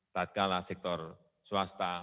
tatkala sektor swasta